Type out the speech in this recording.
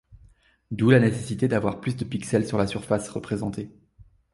D'où la nécessité d'avoir plus de pixels sur la surface représentée.